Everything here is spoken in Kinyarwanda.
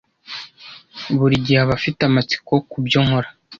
Buri gihe aba afite amatsiko kubyo nkora.